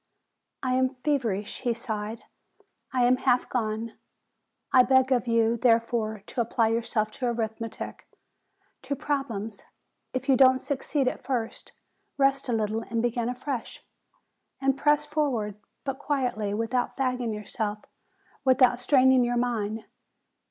"I am feverish," he sighed; "I am half gone; I beg of you, therefore, to apply yourself to arithmetic, to problems. If you don't succeed at first, rest a little and begin afresh. And press forward, but quietly, without fagging yourself, without straining your mind.